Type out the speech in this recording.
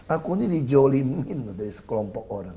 aku ini dijolimin dari sekelompok orang